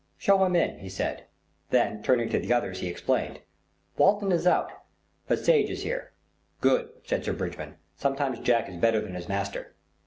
"Show him in," he said; then, turning to the others, he explained: "Walton is out; but Sage is here." "Good," said Sir Bridgman, "sometimes Jack is better than his master."